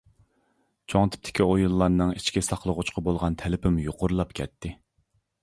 چوڭ تىپتىكى ئويۇنلارنىڭ ئىچكى ساقلىغۇچقا بولغان تەلىپىمۇ يۇقىرىلاپ كەتتى.